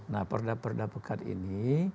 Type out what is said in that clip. nah perda perda pekat ini